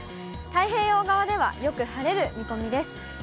太平洋側ではよく晴れる見込みです。